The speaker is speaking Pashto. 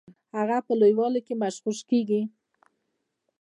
ذهن په لویوالي کي مغشوش کیږي.